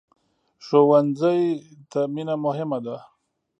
ښوونځی ته مینه مهمه ده